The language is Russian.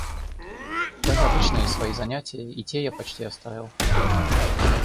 Даже обычные свои занятия — и те я почти оставил.